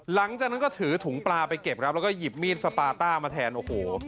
หลังจากนั้นก็ถือถุงปลาไปเก็บครับแล้วก็หยิบมีดสปาต้ามาแทนโอ้โห